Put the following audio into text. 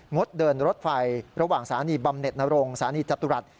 ดเดินรถไฟระหว่างสถานีบำเน็ตนรงสถานีจตุรัส